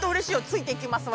ついていきます